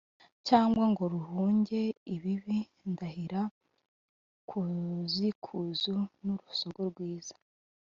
Cyangwa ngo ruhunge ibibi ndahira kuzikuzu n’urusogo rwiza